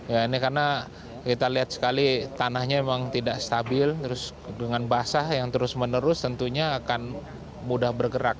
ya ini karena kita lihat sekali tanahnya memang tidak stabil terus dengan basah yang terus menerus tentunya akan mudah bergerak